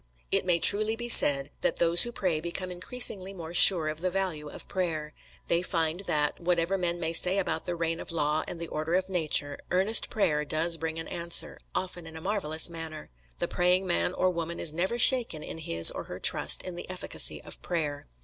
It may truly be said that those who pray become increasingly more sure of the value of prayer. They find that, whatever men may say about the reign of law and the order of nature, earnest prayer does bring an answer, often in a marvellous manner. The praying man or woman is never shaken in his or her trust in the efficacy of prayer.